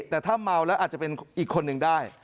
แต่ถ้าเมาแล้วอาจจะเป็นอีกคนนึงได้